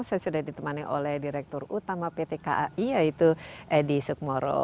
saya sudah ditemani oleh direktur utama pt kai yaitu edi sukmoro